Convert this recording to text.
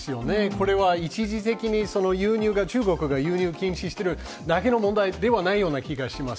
これは一時的に中国が輸入を禁止してるだけの問題ではない気がします。